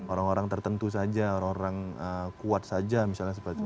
orang orang tertentu saja orang orang kuat saja misalnya seperti itu